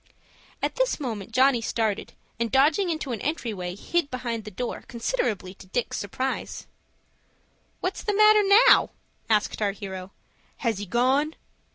At this moment Johnny started, and, dodging into an entry way, hid behind the door, considerably to Dick's surprise. "What's the matter now?" asked our hero. "Has he gone?"